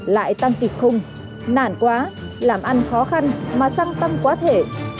lại tăng tịt khung nản quá làm ăn khó khăn mà xăng tăng quá thể